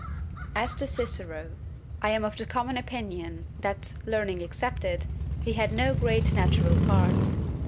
"As to Cicero, I am of the common opinion that, learning excepted, he had no great natural parts.